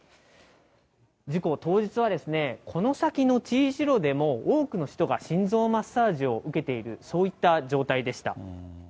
事故当日はこの先のＴ字路でも多くの人が心臓マッサージを受けている、そういった状態でした。